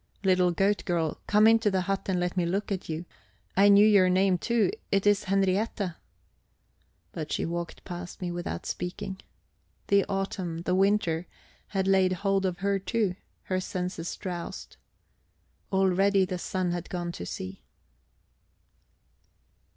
"Little goat girl, come into the hut and let me look at you. I knew your name, too it is Henriette." But she walked past me without speaking. The autumn, the winter, had laid hold of her too; her senses drowsed. Already the sun had gone to sea.